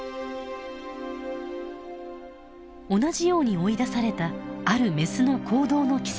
同じように追い出されたあるメスの行動の軌跡です。